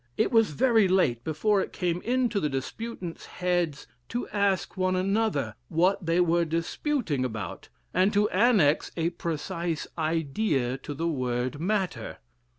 It was very late before it came into the disputants! heads to ask one another, what they were disputing about, and to annex a precise idea to the word Matter.